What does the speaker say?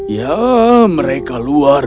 ya mereka luar